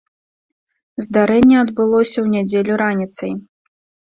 Здарэнне адбылося ў нядзелю раніцай.